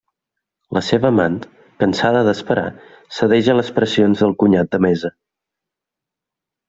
La seva amant, cansada d'esperar, cedeix a les pressions del cunyat de Mesa.